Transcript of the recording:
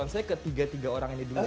saya ketiga tiga orang ini dulu ya om